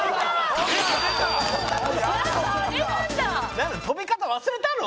なんだ飛び方忘れたの？